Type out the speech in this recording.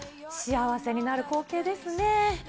幸せになる光景ですね。